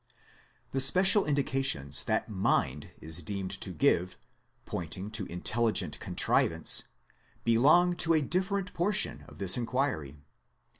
The special indications that Mind is deemed to give, pointing to intelligent contrivance, belong to a diffe rent portion of this inquiry.